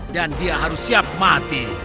dan dia harus siap mati